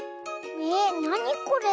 えなにこれ？